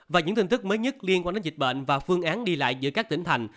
và những tin tức mới nhất liên quan đến dịch bệnh và phương án đi lại giữa các tỉnh thành